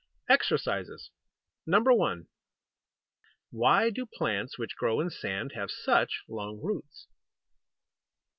EXERCISES 1. Why do plants which grow in sand have such long roots?